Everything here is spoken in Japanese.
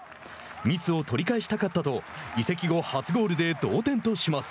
「ミスを取り返したかった」と移籍後初ゴールで同点とします。